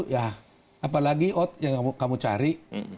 ya apalagi ot yang kamu cari